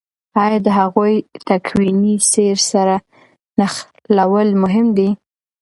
آیا د هغوی تکويني سير سره نښلول مهم دي؟